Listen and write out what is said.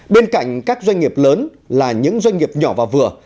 bên cạnh các doanh nghiệp lớn là những doanh nghiệp nhỏ và vừa